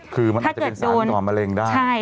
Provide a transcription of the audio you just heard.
คือมันอาจจะเป็นสารก่อมะเร็งได้